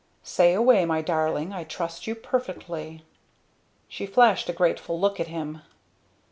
"Say away, my darling. I trust you perfectly." She flashed a grateful look at him.